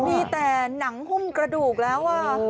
มีแต่หนังหุ้มกระดูกแล้ว